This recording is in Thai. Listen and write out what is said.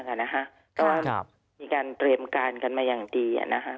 ก็มีการเตรียมการกันมาอย่างดีนะคะ